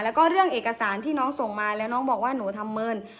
แล้วก็เรื่องเอกสารที่น้องส่งมาแล้วน้องบอกว่าหนูทำเมิน